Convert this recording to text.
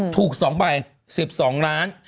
ถูก๒ใบ๑๒ล้าน